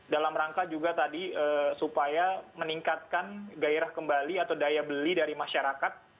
dalam rangka juga tadi supaya meningkatkan gairah kembali atau daya beli dari masyarakat